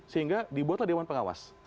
sehingga dibuatlah dewan pengawas